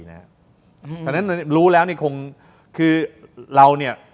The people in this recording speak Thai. เพราะฉะนั้นรู้แล้วคือเรา